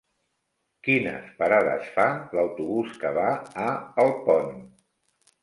Quines parades fa l'autobús que va a Alpont?